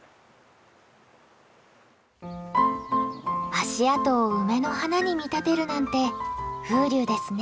足跡を梅の花に見立てるなんて風流ですね。